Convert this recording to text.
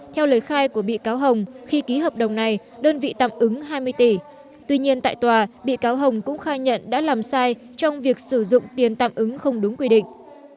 theo lời khai của bị cáo hồng khi ký hợp đồng này đơn vị tạm ứng hai mươi tỷ tuy nhiên tại tòa bị cáo hồng cũng khai nhận đã làm sai trong việc sử dụng tiền tạm ứng không đúng quy định